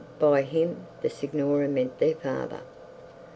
By 'him' the signora meant their father.